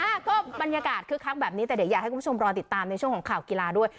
อ่ะก็บรรยากาศคึกคักแบบนี้แต่เดี๋ยวอยากให้คุณผู้ชมรอติดตามในช่วงของข่าวกีฬาด้วย